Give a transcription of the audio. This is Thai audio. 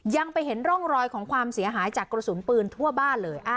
ยังไปเห็นร่องรอยของความเสียหายจากกระสุนปืนทั่วบ้านเลย